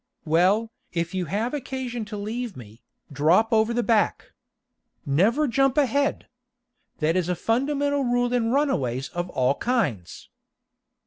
"Well, if you have occasion to leave me, drop over the back. Never jump ahead. That is a fundamental rule in runaways of all kinds."